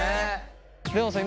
レオンさん